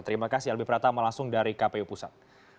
terima kasih albi prata melangsung dari kpu pusat